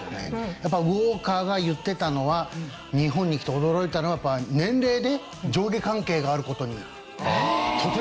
やっぱりウォーカーが言ってたのは日本に来て驚いたのは年齢で上下関係がある事にとても驚いたと。